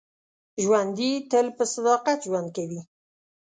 ژوندي تل په صداقت ژوند کوي